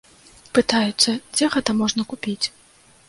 Пытаюцца, дзе гэта можна купіць.